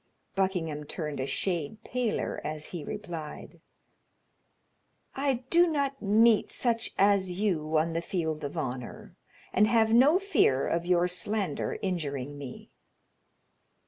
Buckingham turned a shade paler as he replied: "I do not meet such as you on the field of honor, and have no fear of your slander injuring me."